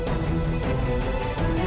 ali rapat tunggu